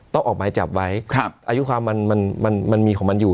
ต้องออกหมายจับไว้ครับอายุความมันมันมันมีของมันอยู่